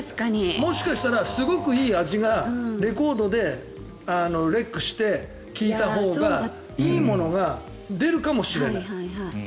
もしかしたら、すごくいい味がレコードでレックして聴いたほうがいいものが出るかもしれない。